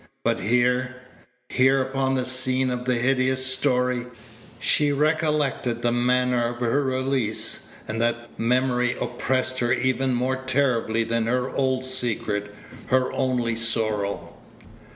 But here here, upon the scene of the hideous story she recollected the manner of her release, and that memory oppressed her even more terribly than her old secret, her only sorrow.